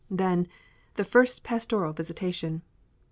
Then, the first pastoral visitation!